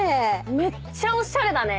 めっちゃおしゃれだね。